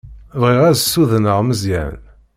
Bɣiɣ ad ssudneɣ Meẓyan.